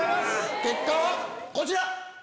結果はこちら！